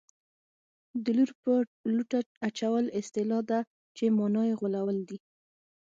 د لور په لوټه اچول اصطلاح ده چې مانا یې غولول دي